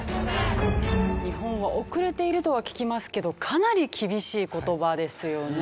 日本は遅れているとは聞きますけどかなり厳しい言葉ですよね。